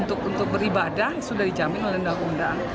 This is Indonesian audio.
untuk beribadah sudah dijamin oleh undang undang